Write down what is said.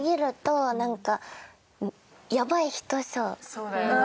そうだよな。